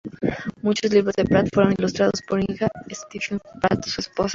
Muchos libros de Pratt fueron ilustrados por Inga Stephens Pratt, su esposa.